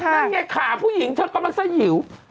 นั่นไงขาผู้หญิงเธอกำลังสยิว